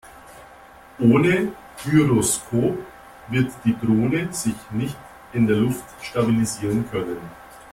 Ohne Gyroskop wird die Drohne sich nicht in der Luft stabilisieren können.